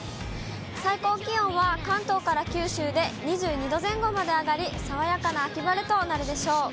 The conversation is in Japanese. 最高気温は関東から九州で２２度前後まで上がり、爽やかな秋晴れとなるでしょう。